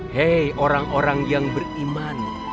hei orang orang yang beriman